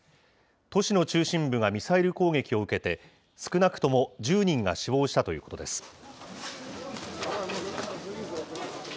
都市の中心部がミサイル攻撃を受けて、少なくとも１０人が死亡したということです。